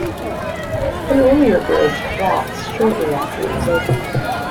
An earlier bridge collapsed shortly after it opened.